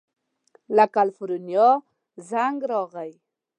له کلیفورنیا زنګ راغی.